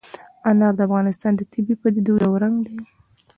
انار د افغانستان د طبیعي پدیدو یو رنګ دی.